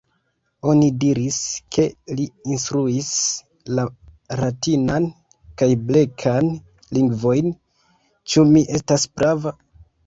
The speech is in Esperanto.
Oni diris ke li instruis la Ratinan kaj Blekan lingvojn. Ĉu mi estas prava?